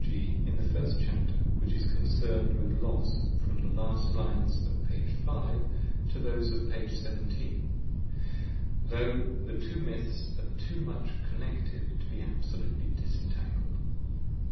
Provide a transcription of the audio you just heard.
g., in the first chapter, which is concerned with Los from the last lines of p. 5 to those of p. 17, though the two myths are too much con necled to be absolutely disentangled.